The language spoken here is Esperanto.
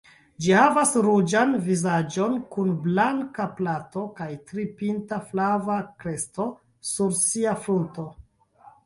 Ĝi havas ruĝan vizaĝon kun blanka plato, kaj tri-pinta flava kresto sur sia frunto.